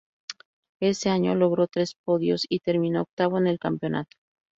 Ese año logró tres podios y terminó octavo en el campeonato.